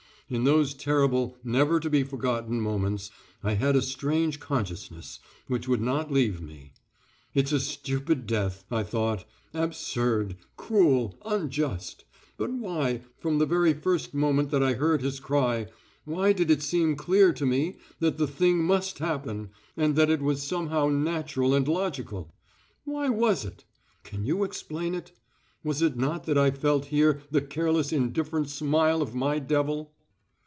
In those terrible, never to be forgotten moments I had a strange consciousness which would not leave me. "It's a stupid death," I thought, "absurd, cruel, unjust," but why, from the very first moment that I heard his cry, why did it seem clear to me that the thing must happen, and that it was somehow natural and logical? Why was it? Can you explain it? Was it not that I felt here the careless indifferent smile of my devil?